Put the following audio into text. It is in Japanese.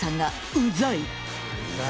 うざい？